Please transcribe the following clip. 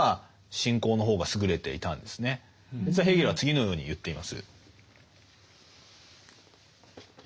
実はヘーゲルは次のように言っています。